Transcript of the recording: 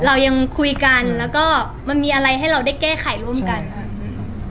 เรายังคุยกันแล้วก็มันมีอะไรให้เราได้แก้ไขร่วมกันค่ะอืม